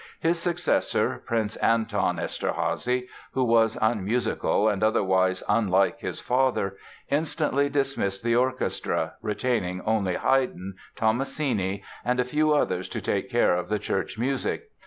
His successor, Prince Anton Eszterházy, who was unmusical and otherwise unlike his father, instantly dismissed the orchestra, retaining only Haydn, Tomasini and a few others to take care of the church music.